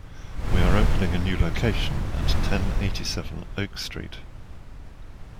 We are opening a new location at ten eighty-seven Oak Street.